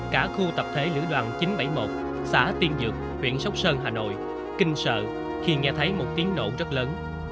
cả khu tập thể lữ đoàn chín trăm bảy mươi một xã tiên dược huyện sóc sơn hà nội kinh sợ khi nghe thấy một tiếng nổ rất lớn